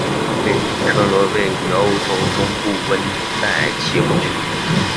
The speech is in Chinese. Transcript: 韦尼格罗德处于欧洲中部的温带气候区。